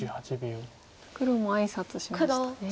黒も挨拶しましたね。